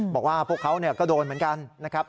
บอกว่าพวกเขาก็โดนเหมือนกันนะครับ